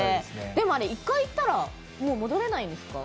でもあれ、一回行ったらもう戻れないんですか？